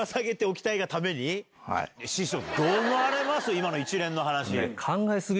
今の一連の話。